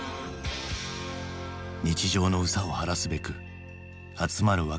日常の憂さを晴らすべく集まる若者たち。